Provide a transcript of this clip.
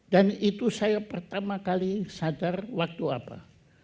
dan itu saya pertama kali sadar waktu apa